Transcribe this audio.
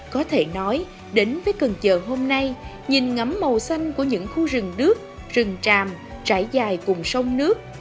có thể nói đến với cần chờ hôm nay nhìn ngắm màu xanh của những khu rừng nước rừng tràm trải dài cùng sông nước